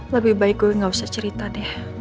lebih baik gue gak usah cerita deh